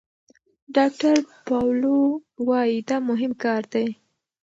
ډاکتر پاولو وايي دا مهم کار دی.